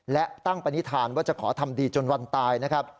และตั้งปณิธานว่าจะขอทำดีจนวันตายนะครับ